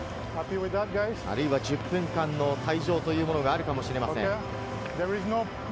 あるいは１０分間の退場というものがあるかもしれません。